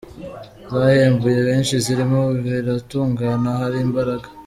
zahembuye benshi zirimo ‘Biratungana’, ‘Hari imbaraga’